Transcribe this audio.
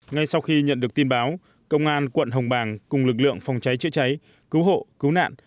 ngay sau khi nhận được tin báo công an quận hồng bàng cùng lực lượng phòng cháy chữa cháy cứu hộ cứu nạn